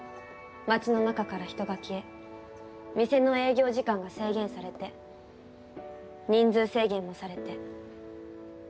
街の中から人が消え店の営業時間が制限されて人数制限もされて。